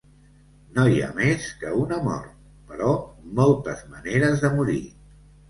No hi ha més que una mort, però moltes maneres de morir.